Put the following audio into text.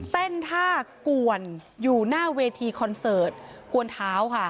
ท่ากวนอยู่หน้าเวทีคอนเสิร์ตกวนเท้าค่ะ